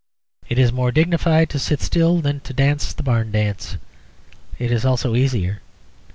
It is more dignified to sit still than to dance the Barn Dance. It is also easier.